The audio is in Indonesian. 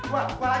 uang akar lu